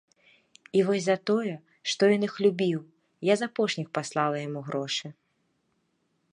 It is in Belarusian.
І вось за тое, што ён іх любіў, я з апошніх паслала яму грошы.